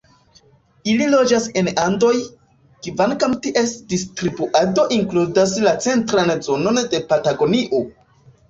Ili loĝas en Andoj, kvankam ties distribuado inkludas la centran zonon de Patagonio.